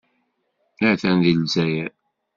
Atan deg Lezzayer.